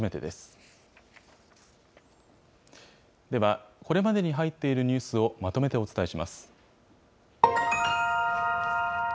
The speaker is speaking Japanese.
では、これまでに入っているニュースをまとめてお伝えします。